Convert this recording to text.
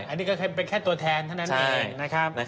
อเซมซ์อันนี้ก็เป็นแค่ตัวแทนเท่านั้นเอง